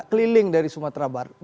keliling dari sumatera baru